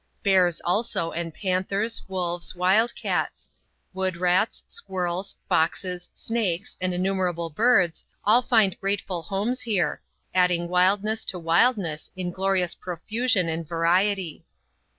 Bears, also, and panthers, wolves, wildcats; wood rats, squirrels, foxes, snakes, and innumerable birds, all find grateful homes here, adding wildness to wildness in glorious profusion and variety.